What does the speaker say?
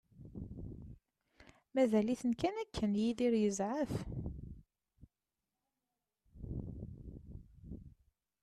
Mazal-iten kan akken Yidir yezɛef.